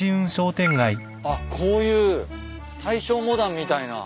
あっこういう大正モダンみたいな。